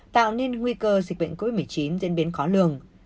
tạo nên nguy cơ dịch bệnh covid một mươi chín diễn biến khó lường